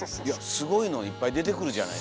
すごいのいっぱい出てくるじゃない。